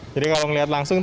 jadi kalau melihat langsung